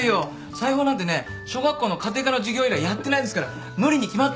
裁縫なんてね小学校の家庭科の授業以来やってないですから無理に決まってるでしょ。